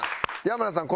山名さん